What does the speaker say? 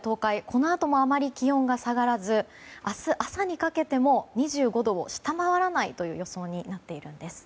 このあともあまり気温が下がらず明日朝にかけても２５度を下回らないという予想になっているんです。